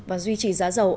và duy trì giá dầu